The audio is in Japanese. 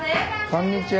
こんにちは。